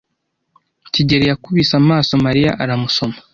kigeli yakubise amaso Mariya aramusoma.